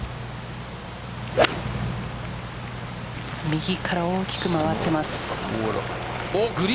右から大きく回ってます。